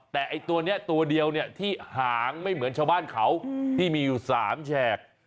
แต่ไอ้ตัวนี้ตัวเดียวเนี่ยที่หางไม่เหมือนชาวบ้านเขาที่มีอยู่๓แฉก